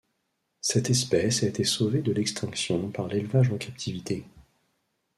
Cette espèce a été sauvée de l'extinction par l'élevage en captivité.